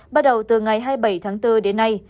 bắt đầu từ ngày hai mươi bảy tháng bốn đến nay